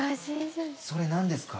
それ何ですか？